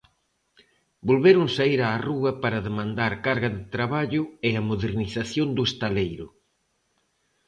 Volveron saír á rúa para demandar carga de traballo e a modernización do estaleiro.